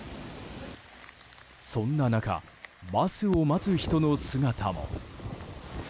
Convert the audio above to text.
そんな中、バスを待つ人の姿も。